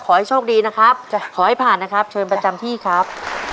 ขอให้โชคดีนะครับขอให้ผ่านนะครับเชิญประจำที่ครับ